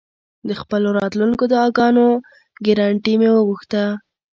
د خپلو راتلونکو دعاګانو ګرنټي مې وغوښته.